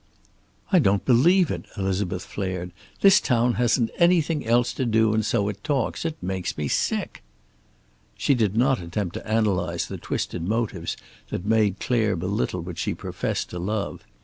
"I don't believe it," Elizabeth flared. "This town hasn't anything else to do, and so it talks. It makes me sick." She did not attempt to analyze the twisted motives that made Clare belittle what she professed to love.